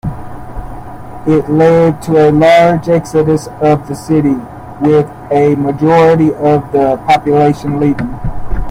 It led to a large exodus of the city, with a majority of the population leaving.